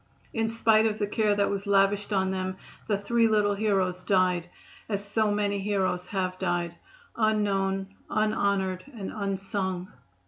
In spite of the care that was lavished on them the three little heroes died, as so many heroes have died unknown, unhonored and unsung.